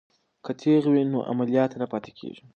که تیغ وي نو عملیات نه پاتې کیږي.